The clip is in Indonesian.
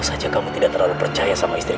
u jam dah habis bercos istri